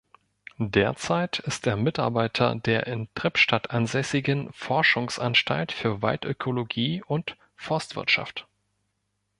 Derzeit ist er Mitarbeiter der in Trippstadt ansässigen Forschungsanstalt für Waldökologie und Forstwirtschaft.